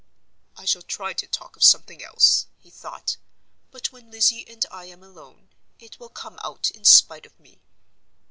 "I shall try to talk of something else," he thought; "but when Lizzie and I am alone, it will come out in spite of me."